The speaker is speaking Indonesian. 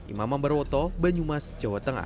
imam ambarwoto banyumas jawa tengah